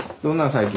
最近。